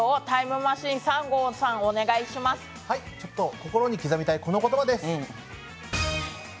心に刻みたいこの言葉です。